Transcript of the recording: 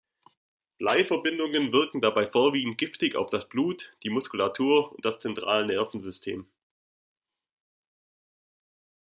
Bleiverbindungen wirken dabei vorwiegend giftig auf das Blut, die Muskulatur und das Zentralnervensystem.